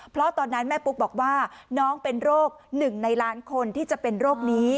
เพราะตอนนั้นแม่ปุ๊กบอกว่าน้องเป็นโรค๑ในล้านคนที่จะเป็นโรคนี้